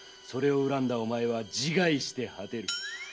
それを恨んだおまえは自害して果てる。